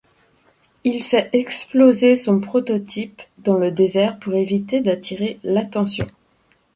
Il fait exploser son prototype dans le désert pour éviter d'attirer l'attention.